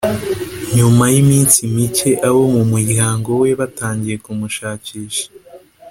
nyuma y’iminsi micye abo mu muryango we batangiye kumushakisha